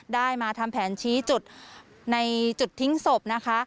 ได้มาทำแผนชี้จุดในจุดทิ้งศพนะคะ